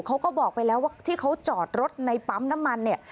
เขาก็บอกไปแล้วว่าที่เขาจอดรถในปั๊มน้ำมันเนี่ย